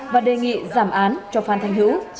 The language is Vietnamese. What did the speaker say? và đề nghị giảm án cho phan thanh hữu